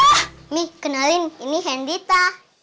ini kenalin ini hendrita